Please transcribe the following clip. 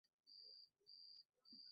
অধিকাংশের মতে, এই চিঠিটি ছিল ঠাট্টা মাত্র।